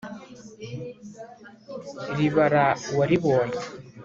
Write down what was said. ribara uwaribonye